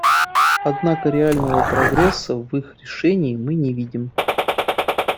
Однако реального прогресса в их решении мы не видим.